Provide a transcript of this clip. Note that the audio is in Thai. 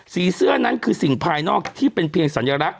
เสื้อนั้นคือสิ่งภายนอกที่เป็นเพียงสัญลักษณ